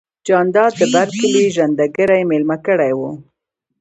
جانداد د بر کلي ژرندګړی ميلمه کړی و.